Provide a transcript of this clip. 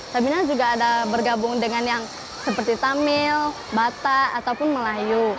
stamina juga ada bergabung dengan yang seperti tamil batak ataupun melayu